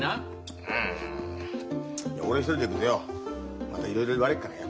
あ俺一人で行くとよまたいろいろ言われっからよ。